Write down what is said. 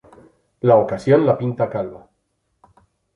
La ocasión, la pintan calva